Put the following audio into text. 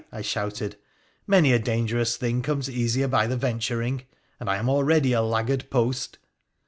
' I shouted ;' many a dangeroug thing comes easier by the venturing, and I am already a laggard post